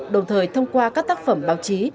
đồng thời thông qua các tác phẩm báo chí